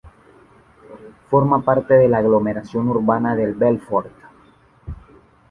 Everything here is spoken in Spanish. Forma parte de la aglomeración urbana de Belfort.